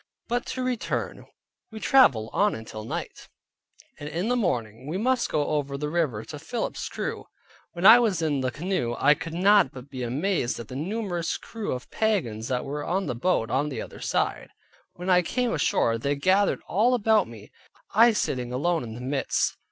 But to return, we traveled on till night; and in the morning, we must go over the river to Philip's crew. When I was in the canoe I could not but be amazed at the numerous crew of pagans that were on the bank on the other side. When I came ashore, they gathered all about me, I sitting alone in the midst.